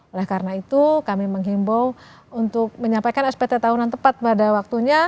oleh karena itu kami menghimbau untuk menyampaikan spt tahunan tepat pada waktunya